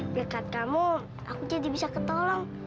biarkan kamu aku jadi bisa ketolong